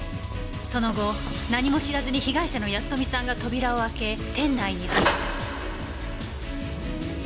その後何も知らずに被害者の保富さんが扉を開け店内に入った。